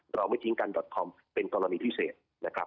เราไม่ทิ้งกันคอมเป็นกรณีทุกสิทธิ์